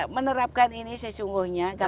menerapkan ini sesungguhnya